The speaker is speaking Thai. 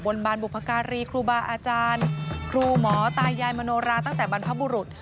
บนบานบุพการีครูบาอาจารย์ครูหมอตายายมโนราตั้งแต่บรรพบุรุษ